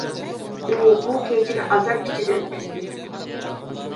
ئۇ، بۇ كېچىنى ئازاب ئىچىدە ئۆتكۈزدى.